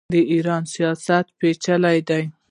د ایران سیاست پیچلی دی.